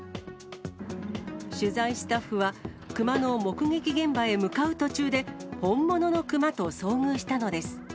取材スタッフは熊の目撃現場へ向かう途中で、本物の熊と遭遇したのです。